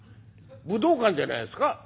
武道館じゃないですか？」。